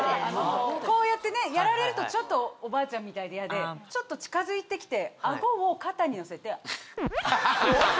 こうやってやられるとちょっとおばあちゃんみたいで嫌でちょっと近づいて来てアゴを肩に乗せて。